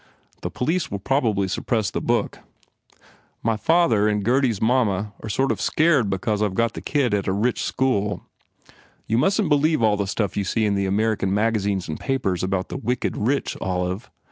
The police will probably suppress the book. ... My fath er and Gurdy s mamma are sort of scared because I ve got the kid at a rich school. You mustn t believe all the stuff you see in the American mag azines and papers about the wicked rich, Olive.